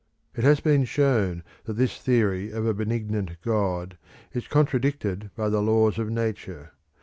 It has been shown that this theory of a benignant God is contradicted by the laws of Nature.